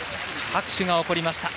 拍手が起こりました。